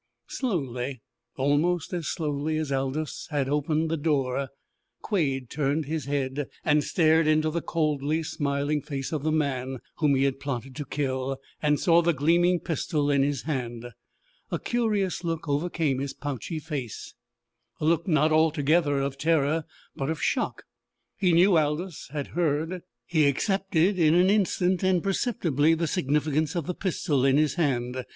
Slowly, almost as slowly as Aldous had opened the door, Quade turned his head, and stared into the coldly smiling face of the man whom he had plotted to kill, and saw the gleaming pistol in his hand. A curious look overcame his pouchy face, a look not altogether of terror but of shock. He knew Aldous had heard. He accepted in an instant, and perceptibly, the significance of the pistol in his hand.